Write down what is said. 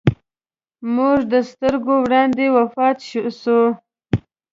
زموږ د سترګو وړاندې وفات سو.